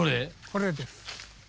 これです。